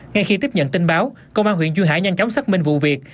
ngay khi tiếp nhận tin báo công an huyện duy hải nhanh chóng xác minh vụ việc